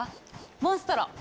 モンストロ！